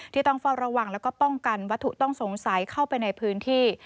ต้องเฝ้าระวังแล้วก็ป้องกันวัตถุต้องสงสัยเข้าไปในพื้นที่